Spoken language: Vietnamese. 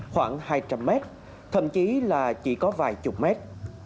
khoảng hai trăm linh mét thậm chí là chỉ có vài chục mét